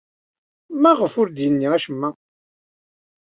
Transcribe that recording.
Maɣef ur d-yenni acemma?